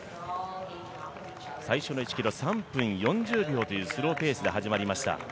最初の１ｋｍ３分４０秒というスローペースで始まりました。